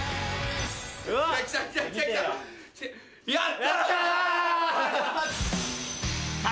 やった。